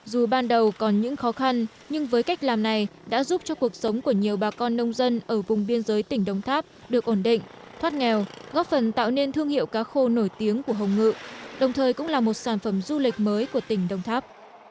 dù ban đầu còn những khó khăn nhưng với cách làm này đã giúp cho cuộc sống của nhiều bà con nông dân ở vùng biên giới tỉnh đồng tháp được ổn định thoát nghèo góp phần tạo nên thương hiệu cá khô nổi tiếng của hồng ngự đồng thời cũng là một sản phẩm du lịch mới của tỉnh đồng tháp